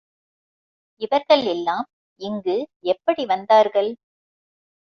இவர்கள் எல்லாம் இங்கு எப்படி வந்தார்கள்?